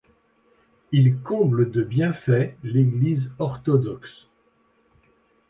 Il comble de bienfaits l'Église orthodoxe.